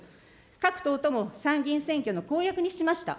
各党とも参議院選挙の公約にしました。